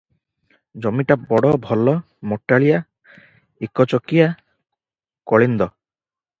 ଜମିଟା ବଡ଼ ଭଲ, ମଟାଳିଆ, ଏକଚକିଆ, କଳିନ୍ଦ ।